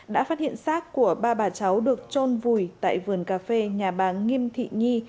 đã phát hiện xác của ba bà cháu được trôn vùi tại vườn cà phê nhà bà nghiêm thị nhi